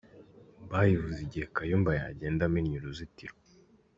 Bayivuze igihe Kayumba yagenda amennye uruzitiro.